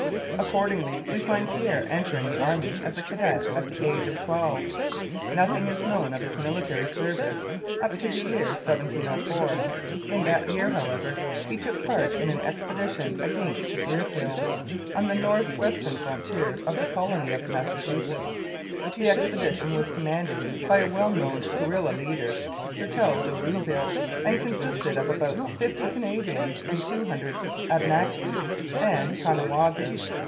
Accordingly we find Pierre entering the army as a cadet at the age of twelve. Nothing is known of his military service up to the year 1704. In that year, however, he took part in an expedition against Deerfield, on the north western frontier of the colony of Massachusetts. The expedition was commanded by a well known guerilla leader, Hertel de Rouville, and consisted of about fifty Canadians and two hundred Abnakis and Caughnawagas.